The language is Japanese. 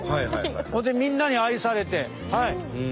それでみんなに愛されて。